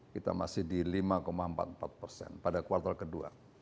kita masih di lima empat puluh empat persen pada kuartal kedua